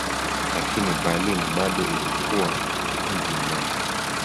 Lakini Berlin bado ilikuwa mji mmoja.